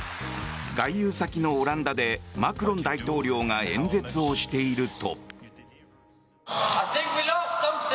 外遊先のオランダでマクロン大統領が演説をしていると。